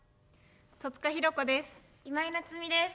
戸塚寛子です。